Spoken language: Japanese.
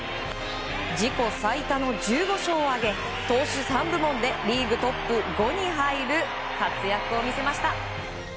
自己最多の１５勝を挙げ投手３部門でリーグトップ５に入る活躍を見せました。